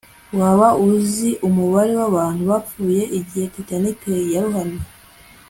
Waba uzi umubare wabantu bapfuye igihe Titanic yarohamye